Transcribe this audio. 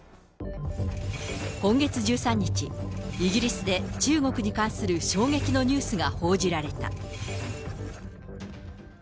今月１３日、イギリスで、中国に関する衝撃のニュースが報じられた。